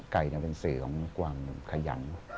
ไก่เนี่ยเป็นสื่อของความขยัง